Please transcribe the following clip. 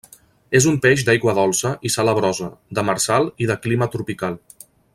És un peix d'aigua dolça i salabrosa, demersal i de clima tropical.